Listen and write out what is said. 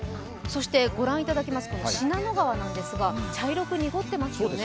そして御覧いただきますと、信濃川なんですが茶色く濁ってますよね。